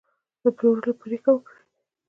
د پلورلو پرېکړه کړې